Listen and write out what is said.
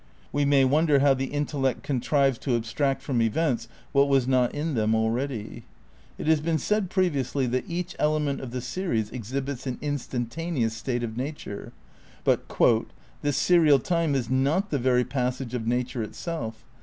(We may wonder how the intellect contrives to abstract from events what was not in them already.) It has been said previously that "each element of the series exhibits an instantaneous state of nature," but "This serial time is not the very passage of nature itself.